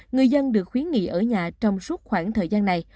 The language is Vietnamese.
người dân được khuyến nghị ở nhà trong suốt khoảng thời gian này